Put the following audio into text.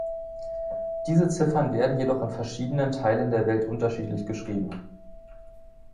Diese Ziffern werden jedoch in verschiedenen Teilen der Welt unterschiedlich geschrieben.